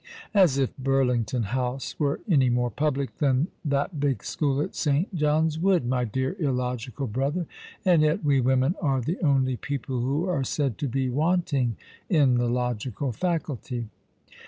" As if Burlington House were any more public than that big school at St. John's Wood, my dear illogical brother: and yet we women are the only people who are said to be wanting in the logical faculty."